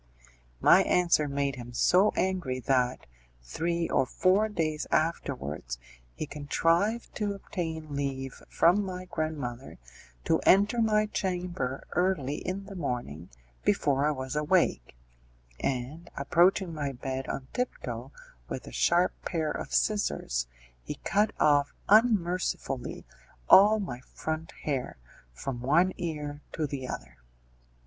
My answer made him so angry that, three or four days afterwards, he contrived to obtain leave from my grandmother to enter my chamber early in the morning, before I was awake, and, approaching my bed on tiptoe with a sharp pair of scissors, he cut off unmercifully all my front hair, from one ear to the other.